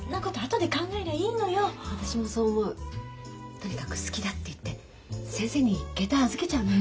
とにかく好きだって言って先生にげた預けちゃうのよ。